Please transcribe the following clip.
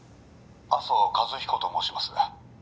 麻生和彦と申します